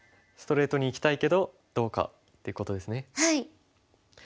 ストレートにいきたいけどどうかってことですね。